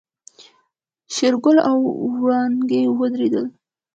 شېرګل او وړانګې ودرېدل.